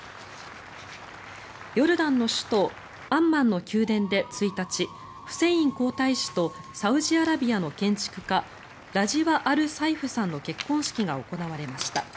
ヨルダンの首都アンマンの宮殿で１日フセイン皇太子とサウジアラビアの建築家ラジワ・アル・サイフさんの結婚式が行われました。